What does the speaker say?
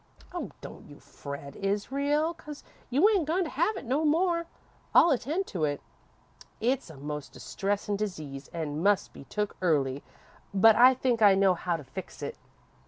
"Don't you fret about it, Israel, 'cause you ain't goin' to have it no more. I'll attend to it. It 's a most distressin' disease an' must be took early, but I think I know how to fix it."